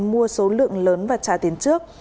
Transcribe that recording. mua số lượng lớn và trả tiền trước